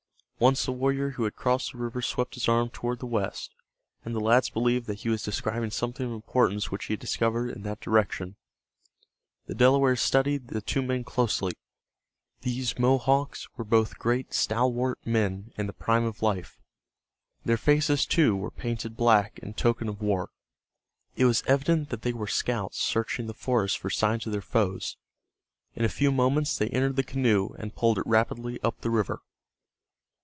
Once the warrior who had crossed the river swept his arm toward the west, and the lads believed that he was describing something of importance which he had discovered in that direction. The Delawares studied the two men closely. They saw at once that they were not the warriors whom they had seen the previous day. These Mohawks were both great stalwart men in the prime of life. Their faces, too, were painted black in token of war. It was evident that they were scouts searching the forest for signs of their foes. In a few moments they entered the canoe, and poled it rapidly up the river.